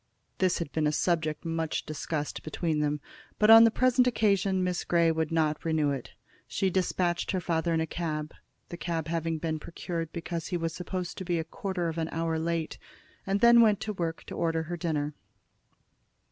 This had been a subject much discussed between them, but on the present occasion Miss Grey would not renew it. She despatched her father in a cab, the cab having been procured because he was supposed to be a quarter of an hour late, and then went to work to order her dinner.